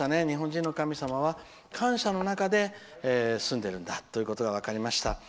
日本人の神様は感謝の中で住んでるんだということが分かりました。